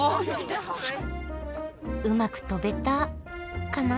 うまく飛べたカナ？